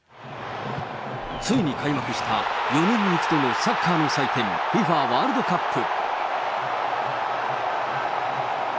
ついに開幕した、４年に１度のサッカーの祭典、ＦＩＦＡワールドカップ。